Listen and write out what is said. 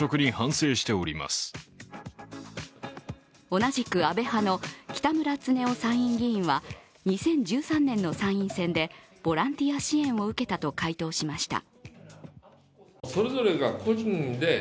同じく安倍派の北村経夫参院議員は２０１３年の参院選でボランティア支援を受けたと回答しました。